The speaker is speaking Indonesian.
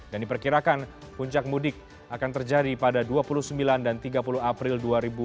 diperkirakan puncak mudik akan terjadi pada dua puluh sembilan dan tiga puluh april dua ribu dua puluh